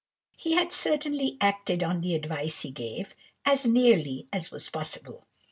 He had certainly acted on the advice he gave, as nearly as was possible.